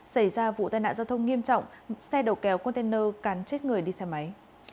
xảy ra vụ tai nạn giao thông nghiêm trọng xe đầu kéo container cắn chết người đi xe máy